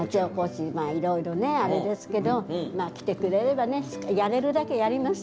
あれですけど来てくれればねやれるだけやります。